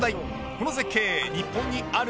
この絶景、日本にある？